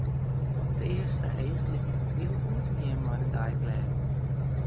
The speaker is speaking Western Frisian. Op it earste each liket it hiel goed te gean mei de deiblêden.